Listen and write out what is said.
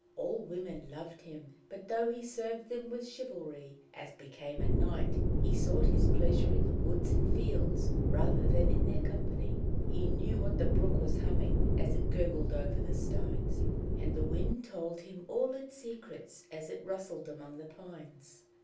All women loved him, but though he served them with chivalry, as became a knight, he sought his pleasure in the woods and fields rather than in their company. He knew what the brook was humming as it gurgled over the stones, and the wind told him all its secrets as it rustled among the pines.